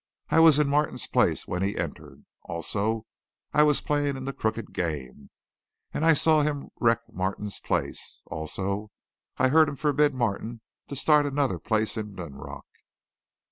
I was in Martin's place when he entered. Also I was playing in the crooked game. And I saw him wreck Martin's place. Also, I heard him forbid Martin to start another place in Linrock."